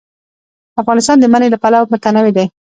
افغانستان د منی له پلوه متنوع دی.